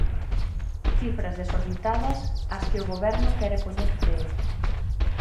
Cifras desorbitadas ás que o Goberno quere poñer freo.